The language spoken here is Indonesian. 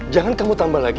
jangan kamu tambah lagi